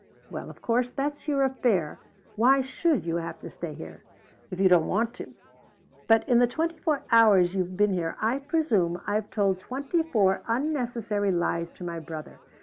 Well, of course, that's your affair. Why should you have to stay here if you don't want to? But in the twenty four hours you've been here I presume I've told twenty four unnecessary lies to my brother.